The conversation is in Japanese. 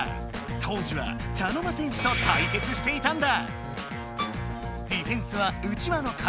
当時は茶の間戦士と対決していたんだ。